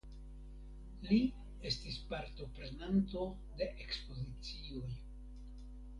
Li estis partoprenanto de ekspozicioj.